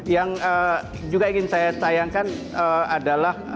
yang juga ingin saya sayangkan adalah